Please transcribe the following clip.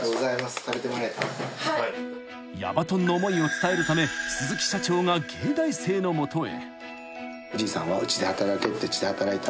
［矢場とんの思いを伝えるため鈴木社長が藝大生の元へ］